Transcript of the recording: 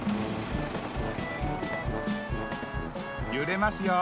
ゆれますよ。